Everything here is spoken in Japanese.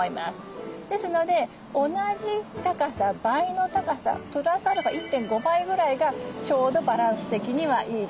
ですので同じ高さ倍の高さプラスアルファ１．５倍ぐらいがちょうどバランス的にはいいです。